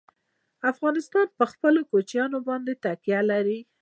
افغانستان په خپلو کوچیانو باندې تکیه لري.